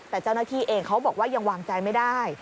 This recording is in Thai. แต่เจ้าหน้าที่เองเขาบอกว่ายังวางใจไม่ได้